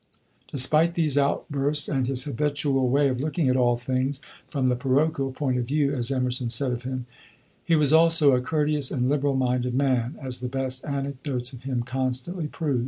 Despite these outbursts, and his habitual way of looking at all things "from the parochial point of view," as Emerson said of him, he was also a courteous and liberal minded man, as the best anecdotes of him constantly prove.